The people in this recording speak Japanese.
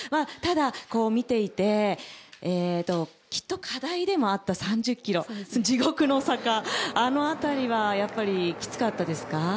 ただ、見ていてきっと課題でもあった３０キロ地獄の坂、あの辺りはやっぱりきつかったですか？